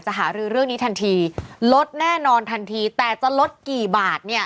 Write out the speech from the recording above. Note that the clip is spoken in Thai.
หารือเรื่องนี้ทันทีลดแน่นอนทันทีแต่จะลดกี่บาทเนี่ย